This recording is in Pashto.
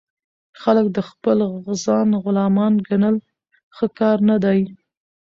خلک د خپل ځان غلامان ګڼل ښه کار نه دئ.